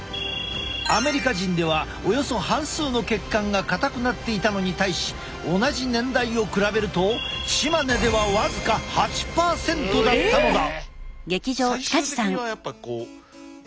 アメリカ人ではおよそ半数の血管が硬くなっていたのに対し同じ年代を比べるとチマネでは僅か８％だったのだ。